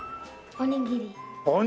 おにぎり！